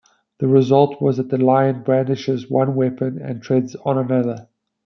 The result was that the lion brandishes one weapon and treads on another.